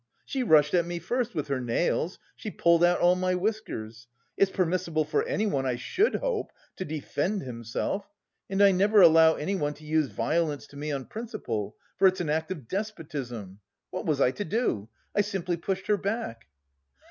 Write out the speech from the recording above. She rushed at me first with her nails, she pulled out all my whiskers.... It's permissable for anyone, I should hope, to defend himself and I never allow anyone to use violence to me on principle, for it's an act of despotism. What was I to do? I simply pushed her back."